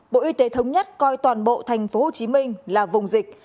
bộ y tế thống nhất coi toàn bộ tp hcm là vùng dịch